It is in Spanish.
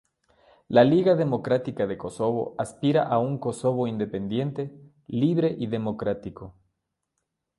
La Liga Democrática de Kosovo aspira a un Kosovo independiente, libre y democrático.